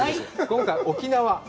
今回、沖縄。